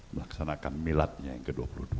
melaksanakan miladnya yang ke dua puluh dua